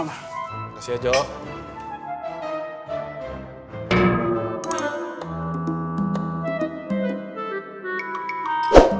terima kasih ya jolo